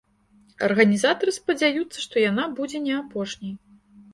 Арганізатары спадзяюцца, што яна будзе не апошняй.